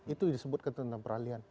itu disebut ketentuan peralihan